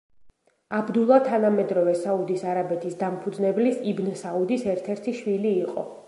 აბდულა თანამედროვე საუდის არაბეთის დამფუძნებელის იბნ საუდის ერთ–ერთი შვილი იყო.